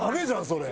それ！